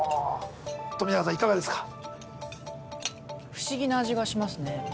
不思議な味がしますね